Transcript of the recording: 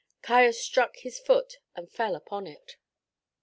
Caius struck his foot and fell upon it.